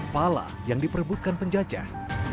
pala yang diperebutkan penjajah